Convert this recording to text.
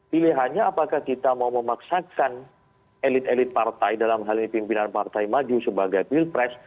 pilihannya apakah kita mau memaksakan elit elit partai dalam hal ini pimpinan partai maju sebagai pilpres